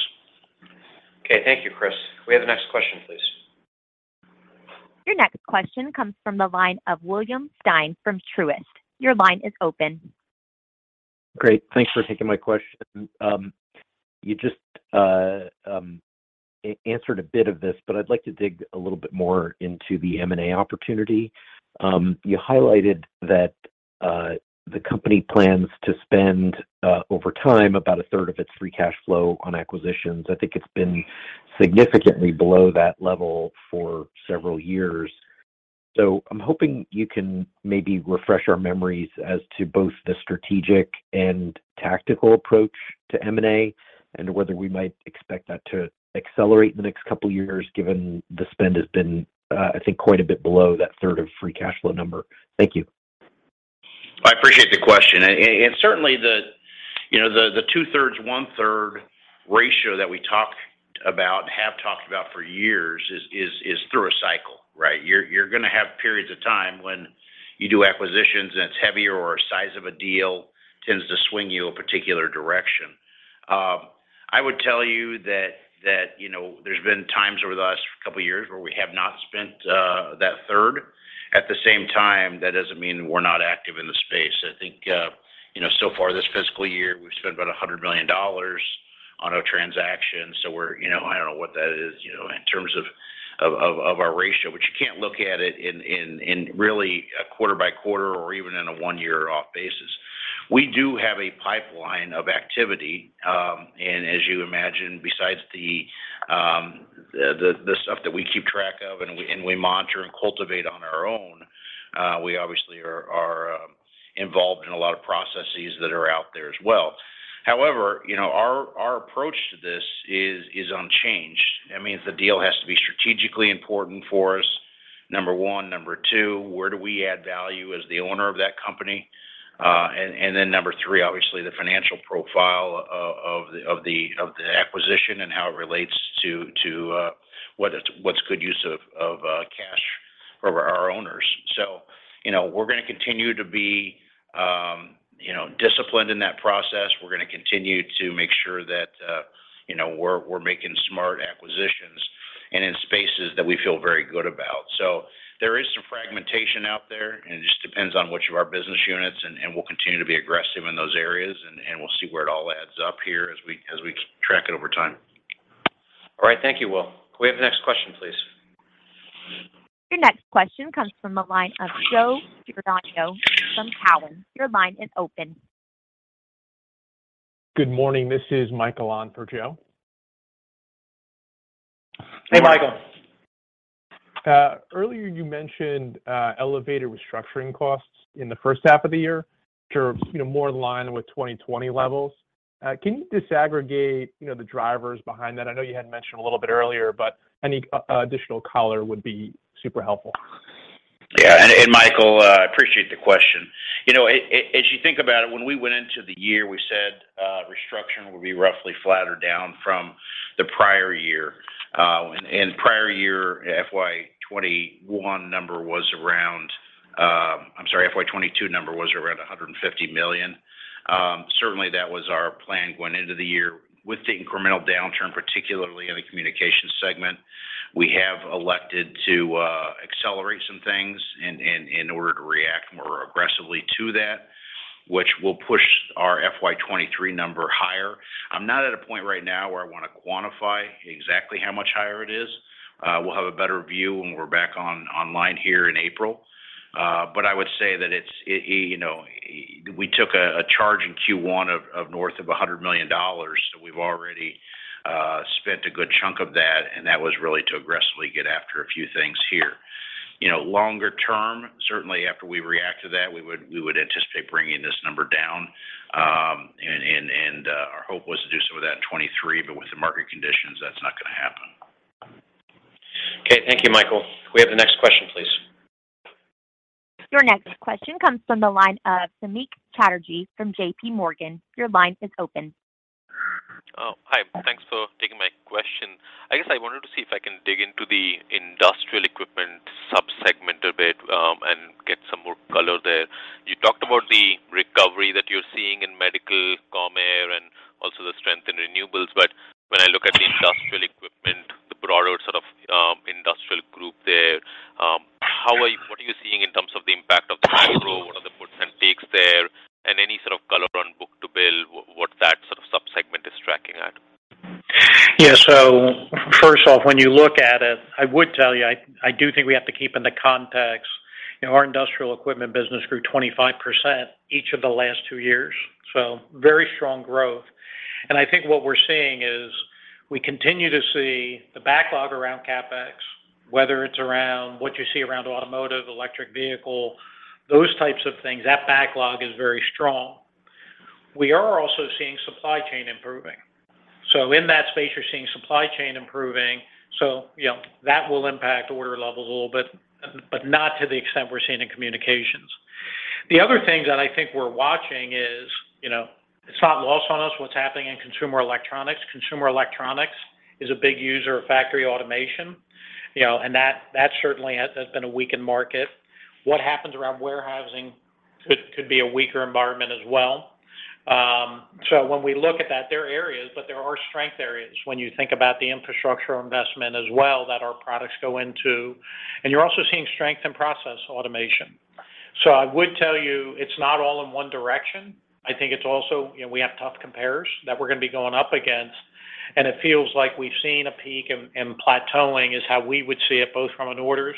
B: Okay. Thank you, Chris. Can we have the next question, please?
A: Your next question comes from the line of William Stein from Truist. Your line is open.
O: Great. Thanks for taking my question. You just answered a bit of this, but I'd like to dig a little bit more into the M&A opportunity. You highlighted that the company plans to spend over time, about a third of its free cash flow on acquisitions. I think it's been significantly below that level for several years. I'm hoping you can maybe refresh our memories as to both the strategic and tactical approach to M&A and whether we might expect that to accelerate in the next couple of years, given the spend has been, I think, quite a bit below that third of free cash flow number. Thank you.
D: I appreciate the question. Certainly the, you know, the two-thirds, one-third ratio that we talked about and have talked about for years is through a cycle, right? You're gonna have periods of time when you do acquisitions and it's heavier or size of a deal tends to swing you a particular direction. I would tell you that, you know, there's been times over the last couple of years where we have not spent that third. At the same time, that doesn't mean we're not active in the space. I think, you know, so far this fiscal year, we've spent about $100 million on a transaction. You know, I don't know what that is, you know, in terms of our ratio, but you can't look at it in really a quarter by quarter or even in a one-year off basis. We do have a pipeline of activity. As you imagine, besides the stuff that we keep track of and we monitor and cultivate on our own, we obviously are involved in a lot of processes that are out there as well. However, you know, our approach to this is unchanged. That means the deal has to be strategically important for us, number one. Number two, where do we add value as the owner of that company? Then number 3, obviously the financial profile of the acquisition and how it relates to, what's good use of cash for our owners. You know, we're gonna continue to be, you know, disciplined in that process. We're gonna continue to make sure that, you know, we're making smart acquisitions and in spaces that we feel very good about. There is some fragmentation out there, and it just depends on which of our business units and we'll continue to be aggressive in those areas and we'll see where it all adds up here as we track it over time.
B: Thank you, Will. Can we have the next question, please?
A: Your next question comes from the line of Joe DePaola from Cowen. Your line is open.
P: Good morning. This is Michael on for Joe.
D: Hey, Michael.
P: Earlier you mentioned, elevated restructuring costs in the first half of the year, which are, you know, more in line with 2020 levels. Can you disaggregate, you know, the drivers behind that? I know you had mentioned a little bit earlier, but any additional color would be super helpful.
D: Yeah. Michael, I appreciate the question. You know, as you think about it, when we went into the year, we said, restructuring will be roughly flatter down from the prior year. Prior year, FY21 number was around. I'm sorry, FY22 number was around $150 million. Certainly, that was our plan going into the year. With the incremental downturn, particularly in the communication segment, we have elected to accelerate some things in order to react more aggressively to that, which will push our FY23 number higher. I'm not at a point right now where I wanna quantify exactly how much higher it is. We'll have a better view when we're back on-online here in April. I would say that it's, you know... We took a charge in Q1 of north of $100 million. We've already spent a good chunk of that, and that was really to aggressively get after a few things here. You know, longer term, certainly after we react to that, we would anticipate bringing this number down. Our hope was to do some of that in 2023, but with the market conditions, that's not gonna happen.
B: Okay. Thank you, Michael. Can we have the next question, please?
A: Your next question comes from the line of Samik Chatterjee from J.P. Morgan. Your line is open.
Q: Oh, hi. Thanks for taking my question. I guess I wanted to see if I can dig into the industrial equipment sub-segment a bit and get some more color there. You talked about the recovery that you're seeing in medical, com air, and also the strength in renewables. When I look at the industrial equipment, the broader sort of industrial group there, what are you seeing in terms of the impact of the macro? What are the puts and takes there? Any sort of color on book-to-bill, what that sort of sub-segment is tracking at.
D: First off, when you look at it, I would tell you, I do think we have to keep in the context, you know, our industrial equipment business grew 25% each of the last two years, so very strong growth. I think what we're seeing is we continue to see the backlog around CapEx, whether it's around what you see around automotive, electric vehicle, those types of things. That backlog is very strong. We are also seeing supply chain improving. In that space, you're seeing supply chain improving. You know, that will impact order levels a little bit, but not to the extent we're seeing in communications. The other thing that I think we're watching is, you know, it's not lost on us what's happening in consumer electronics. Consumer electronics is a big user of factory automation, you know, and that certainly has been a weakened market. What happens around warehousing could be a weaker environment as well. When we look at that, there are areas, but there are strength areas when you think about the infrastructure investment as well that our products go into. You're also seeing strength in process automation. I would tell you, it's not all in one direction. I think it's also, you know, we have tough compares that we're gonna be going up against, and it feels like we've seen a peak and plateauing is how we would see it, both from an orders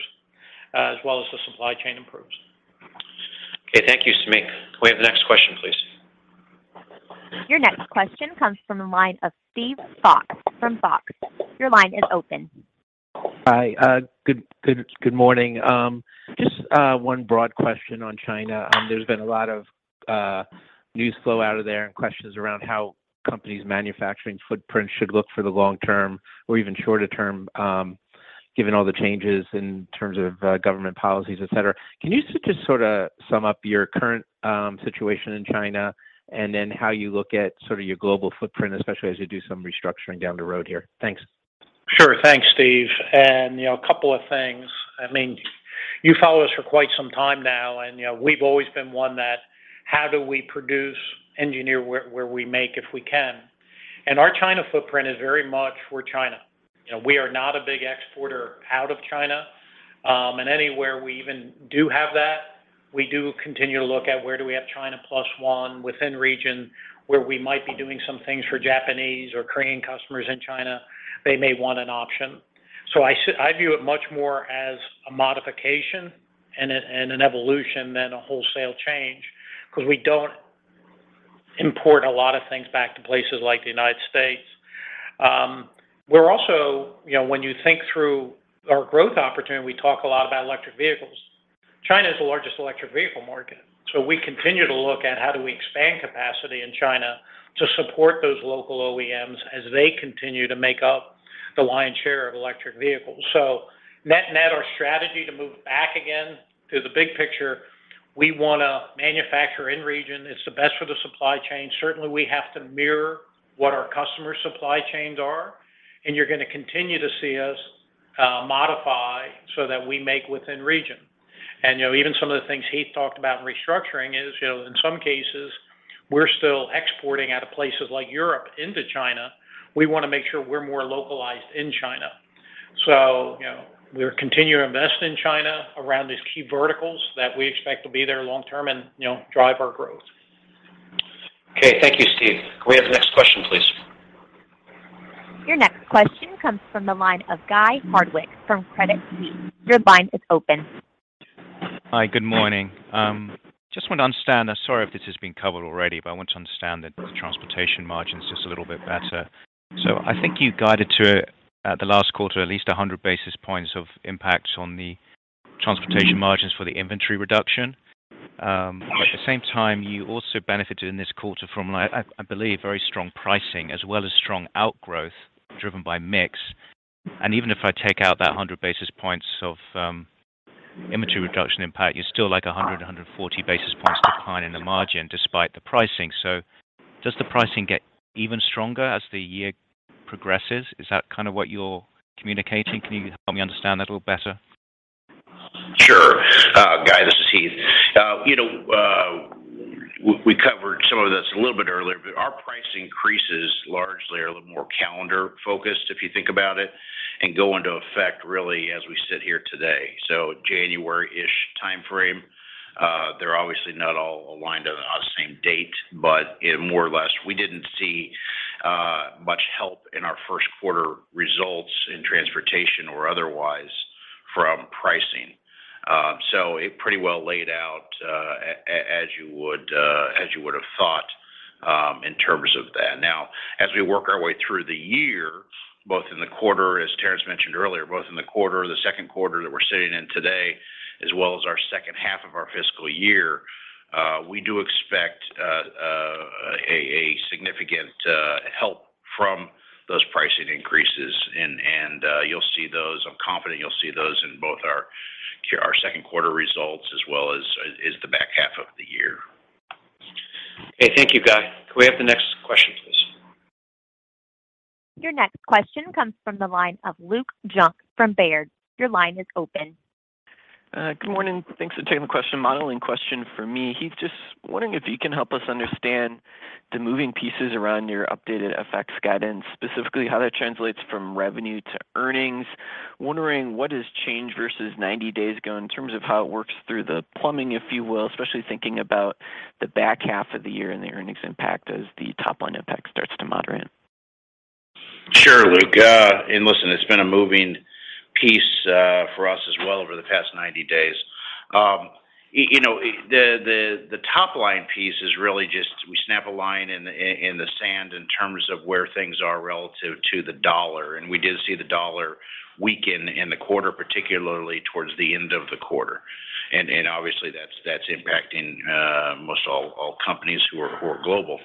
D: as well as the supply chain improves.
B: Okay. Thank you, Samik. Can we have the next question, please?
A: Your next question comes from the line of Steve Fox from Fox. Your line is open.
R: Hi, good morning. Just one broad question on China. There's been a lot of news flow out of there and questions around how companies manufacturing footprint should look for the long term or even shorter term, given all the changes in terms of government policies, etc. Can you just sorta sum up your current situation in China, and then how you look at sort of your global footprint, especially as you do some restructuring down the road here? Thanks.
C: Sure. Thanks, Steve. You know, a couple of things. I mean, you follow us for quite some time now, and, you know, we've always been one that how do we produce engineer where we make if we can. Our China footprint is very much for China. You know, we are not a big exporter out of China, and anywhere we even do have that, we do continue to look at where do we have China plus one within region, where we might be doing some things for Japanese or Korean customers in China, they may want an option. I view it much more as a modification and a, and an evolution than a wholesale change because we don't import a lot of things back to places like the United States. We're also, you know, when you think through our growth opportunity, we talk a lot about electric vehicles. China is the largest electric vehicle market, we continue to look at how do we expand capacity in China to support those local OEMs as they continue to make up the lion's share of electric vehicles. Net-net, our strategy to move back again to the big picture, we wanna manufacture in region. It's the best for the supply chain. Certainly, we have to mirror what our customers' supply chains are, and you're gonna continue to see us modify so that we make within region. You know, even some of the things Heath talked about in restructuring is, you know, in some cases, we're still exporting out of places like Europe into China. We wanna make sure we're more localized in China. you know, we'll continue to invest in China around these key verticals that we expect to be there long term and, you know, drive our growth.
B: Okay. Thank you, Steve. Can we have the next question, please?
A: Your next question comes from the line of Guy Hardwick from Credit Suisse. Your line is open.
S: Hi, good morning. Just want to understand. Sorry if this has been covered already, I want to understand the transportation margins just a little bit better. I think you guided to the last quarter at least 100 basis points of impact on the transportation margins for the inventory reduction. At the same time, you also benefited in this quarter from, I believe, very strong pricing as well as strong outgrowth driven by mix. Even if I take out that 100 basis points of inventory reduction impact, you're still like 100, 140 basis points decline in the margin despite the pricing. Does the pricing get even stronger as the year progresses? Is that kind of what you're communicating? Can you help me understand that a little better?
D: Sure. Guy, this is Heath. You know, we covered some of this a little bit earlier, but our price increases largely are a little more calendar-focused, if you think about it, and go into effect really as we sit here today. January-ish timeframe, they're obviously not all aligned on the same date, but more or less, we didn't see much help in our first quarter results in transportation or otherwise from pricing. It pretty well laid out as you would as you would have thought in terms of that. Now, as we work our way through the year, both in the quarter, as Terrence mentioned earlier, both in the quarter, the second quarter that we're sitting in today, as well as our second half of our fiscal year, we do expect a significant help from those pricing increases. You'll see those. I'm confident you'll see those in both our second quarter results as well as the back half of the year.
B: Okay, thank you, Guy. Can we have the next question, please?
A: Your next question comes from the line of Luke Junk from Baird. Your line is open.
T: Good morning. Thanks for taking the question. Modeling question for me. Heath, just wondering if you can help us understand the moving pieces around your updated FX guidance, specifically how that translates from revenue to earnings. Wondering what has changed versus 90 days ago in terms of how it works through the plumbing, if you will, especially thinking about the back half of the year and the earnings impact as the top line impact starts to moderate.
D: Sure, Luke. listen, it's been a moving piece for us as well over the past 90 days. you know, the top line piece is really just we snap a line in the sand in terms of where things are relative to the US dollar. We did see the US dollar weaken in the quarter, particularly towards the end of the quarter. Obviously that's impacting most all companies who are global.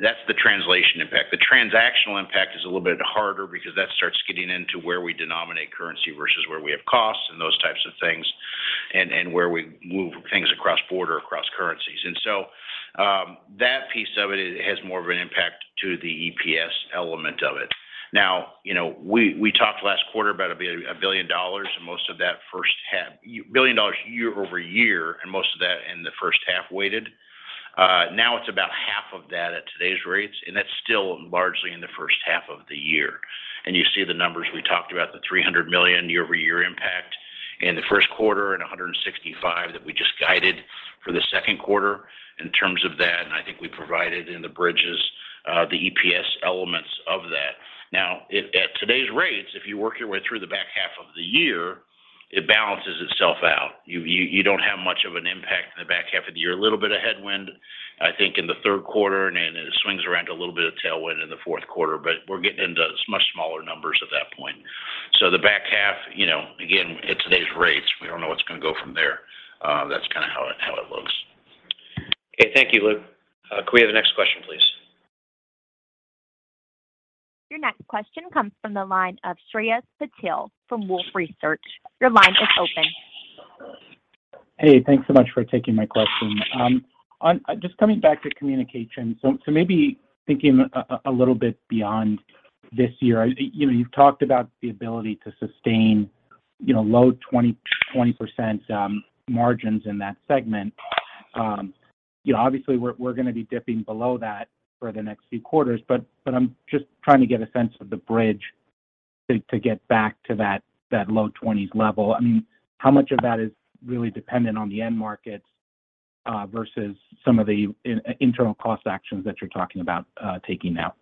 D: That's the translation impact. The transactional impact is a little bit harder because that starts getting into where we denominate currency versus where we have costs and those types of things, and where we move things across border, across currencies. That piece of it has more of an impact to the EPS element of it. Now, you know, we talked last quarter about $1 billion, most of that first half. $1 billion year-over-year, and most of that in the first half weighted. Now it's about half of that at today's rates, and that's still largely in the first half of the year. You see the numbers. We talked about the $300 million year-over-year impact in the first quarter and $165 million that we just guided for the second quarter in terms of that. I think we provided in the bridges, the EPS elements of that. Now, at today's rates, if you work your way through the back half of the year, it balances itself out. You don't have much of an impact in the back half of the year. A little bit of headwind, I think, in the third quarter, and then it swings around a little bit of tailwind in the fourth quarter, but we're getting into much smaller numbers at that point. The back half, you know, again, at today's rates, we don't know what's gonna go from there. That's kinda how it looks.
B: Okay. Thank you, Luke. Can we have the next question, please?
A: Your next question comes from the line of Shreyas Patil from Wolfe Research. Your line is open.
U: Hey. Thanks so much for taking my question. Just coming back to communication, maybe thinking a little bit beyond this year. You know, you've talked about the ability to sustain, you know, low 20% margins in that segment. You know, obviously we're gonna be dipping below that for the next few quarters, I'm just trying to get a sense of the bridge to get back to that low 20s level. I mean, how much of that is really dependent on the end markets versus some of the internal cost actions that you're talking about taking now?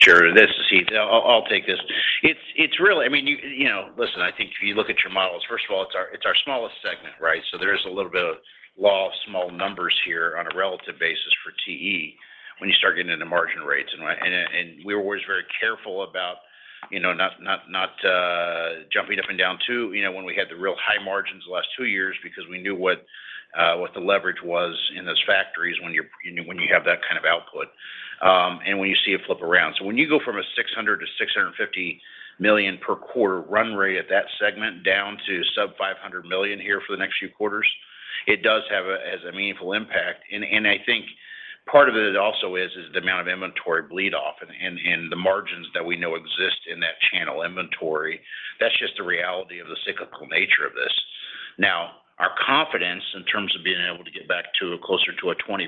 D: Sure. This is Steve. I'll take this. It's really, I mean, you know, listen, I think if you look at your models, first of all, it's our smallest segment, right? There is a little bit of law of small numbers here on a relative basis for TE when you start getting into margin rates. We're always very careful about, you know, not jumping up and down too, you know, when we had the real high margins the last two years because we knew what the leverage was in those factories when you have that kind of output, and when you see it flip around. When you go from a $600 million to $650 million per quarter run rate at that segment down to sub $500 million here for the next few quarters, it does have a meaningful impact. I think part of it also is the amount of inventory bleed off and the margins that we know exist in that channel inventory. That's just the reality of the cyclical nature of this. Our confidence in terms of being able to get back to closer to a 20%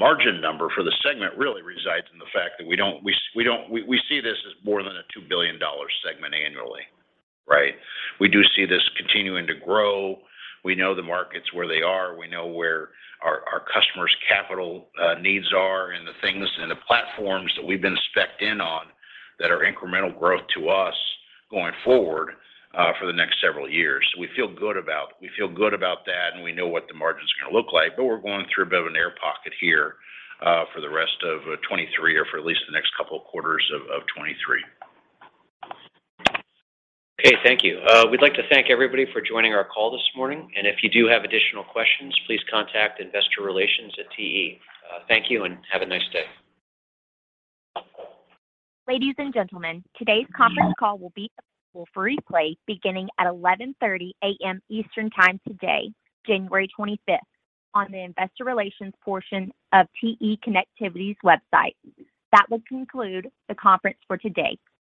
D: margin number for the segment really resides in the fact that we don't. We see this as more than a $2 billion segment annually, right? We do see this continuing to grow. We know the markets where they are. We know where our customers' capital needs are, and the things and the platforms that we've been spec'd in on that are incremental growth to us going forward for the next several years. We feel good about that, and we know what the margins are gonna look like, but we're going through a bit of an air pocket here for the rest of 2023 or for at least the next couple quarters of 2023.
U: Okay. Thank you. We'd like to thank everybody for joining our call this morning. If you do have additional questions, please contact investor relations at TE. Thank you, and have a nice day.
A: Ladies and gentlemen, today's conference call will be available for replay beginning at 11:30 A.M. Eastern Time today, January 25th, on the investor relations portion of TE Connectivity's website. That will conclude the conference for today.